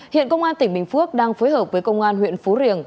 hiện công an tỉnh bình phước đang phối hợp với công an huyện phú riềng